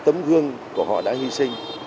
tấm gương của họ đã hy sinh